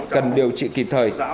cần điều trị kịp thời